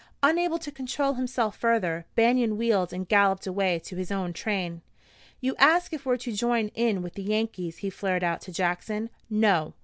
Unable to control himself further, Banion wheeled and galloped away to his own train. "You ask if we're to join in with the Yankees," he flared out to Jackson. "No!